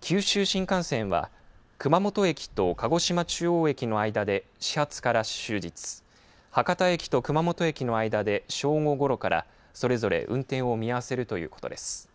九州新幹線は熊本駅と鹿児島中央駅の間で始発から終日博多駅と熊本駅の間で正午ごろからそれぞれ運転を見合わせるということです。